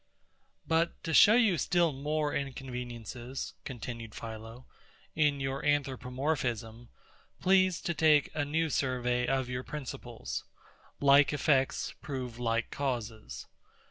PART 5 But to show you still more inconveniences, continued PHILO, in your Anthropomorphism, please to take a new survey of your principles. Like effects prove like causes.